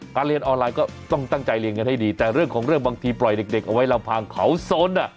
เรียนออนไลน์ก็ต้องตั้งใจเรียนกันให้ดีแต่เรื่องของเรื่องบางทีปล่อยเด็กเอาไว้ลำพังเขาสนอ่ะ